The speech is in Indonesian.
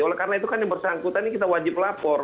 oleh karena itu kan yang bersangkutan ini kita wajib lapor